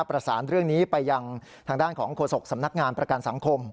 ประสานเรื่องนี้ไปยังทางด้านของโฆษกสำนักงานประกันสังคม